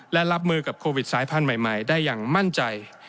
และรับมือกับโควิดสายพันธุ์ใหม่ได้อย่างมั่นใจ